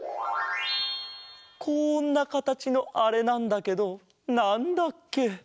こんなかたちのあれなんだけどなんだっけ？